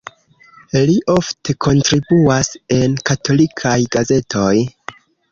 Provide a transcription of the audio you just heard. Li ofte kontribuas en katolikaj gazetoj.